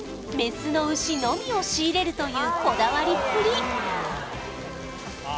メスの牛のみを仕入れるというこだわりっぷり